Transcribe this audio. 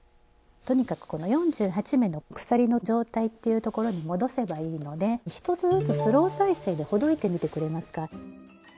とにかくこの４８目の鎖の状態っていうところに戻せばいいので１つずつ「スロー再生」でほどいてみてくれますか？